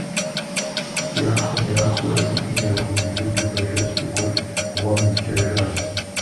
Яхум-яхуурэ – сытми яхуэмубыду Бажэжь цӀыкӀур гъуэм ипкӀэжащ.